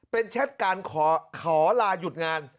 เป็นแชทการขอลาหยุดงาน